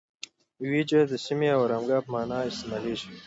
اویجه د سیمې او آرامګاه په معنی استعمالیږي.